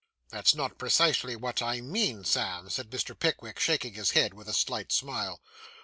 'That's not precisely what I meant, Sam,' said Mr. Pickwick, shaking his head, with a slight smile.